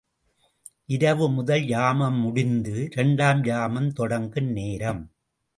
இரவு முதல் யாமம் முடிந்து, இரண்டாம் யாமம் தொடங்கும் நேரம்.